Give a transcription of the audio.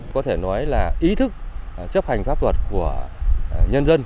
có thể nói là ý thức chấp hành pháp luật của nhân dân